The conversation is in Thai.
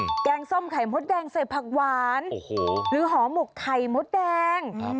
แกงส้มไข่มดแดงใส่ผักหวานโอ้โหหรือหอหมกไข่มดแดงครับ